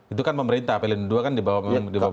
itu kan pemerintah pelindo ii kan dibawa pemerintah